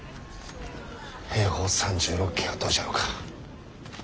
兵法三十六計はどうじゃろうか。